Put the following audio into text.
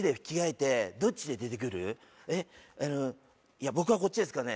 いや僕はこっちですかね。